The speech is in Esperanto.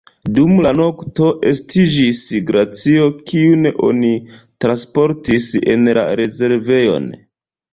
Dum la nokto estiĝis glacio, kiun oni transportis en la rezervejon.